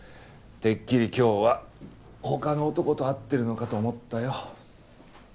てっきり今日はほかの男と会ってるのかと思ったよ。